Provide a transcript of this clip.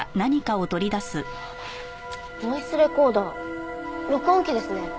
ボイスレコーダー録音機ですね。